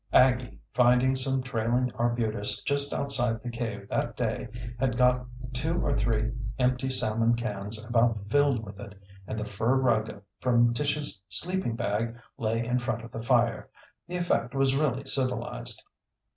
Aggie, finding some trailing arbutus just outside the cave that day, had got two or three empty salmon cans about filled with it, and the fur rug from Tish's sleeping bag lay in front of the fire. The effect was really civilized.